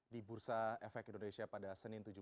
di bursa efek indonesia pada senin tujuh belas